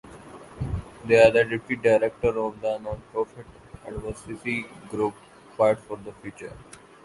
They are the deputy director of the nonprofit advocacy group Fight for the Future.